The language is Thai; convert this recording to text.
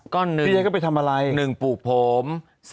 ตึกได้ใช่ไหม